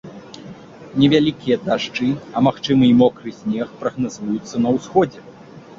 Невялікія дажджы, а магчыма і мокры снег прагназуюцца на ўсходзе.